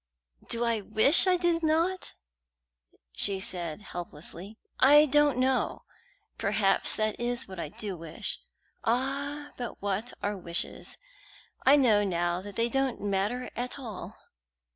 "Do I wish I did not?" she said helplessly. "I don't know. Perhaps that is what I do wish. Ah, but what are wishes! I know now that they don't matter at all."